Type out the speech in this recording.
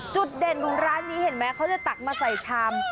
จุดเด่นของร้านนี้เห็นไหมเขาจะตักมาใส่ชาม